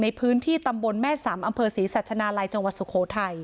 ในพื้นที่ตำบลแม่สำอำเภอศรีสัชนาลัยจังหวัดสุโขทัย